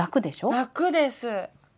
楽です。